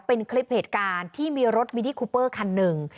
เป็นคลิปเหตุการณ์ที่มีรถมินิคูเปอร์คันหนึ่ง